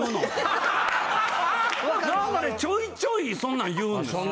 なんかねちょいちょいそんなん言うんですよ。